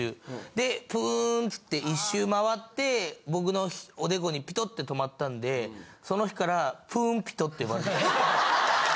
でプンっつって１周回って僕のおでこにピトって止まったんでその日から。って呼ばれてました。